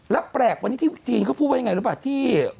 แล้วแปลกวันนี้ที่จีนเขาพูดว่าอย่างไรหรือเปล่า